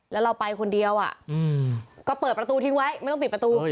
แล้วเราไปคนเดียวก็เปิดประตูทิ้งไว้ไม่ต้องปิดประตู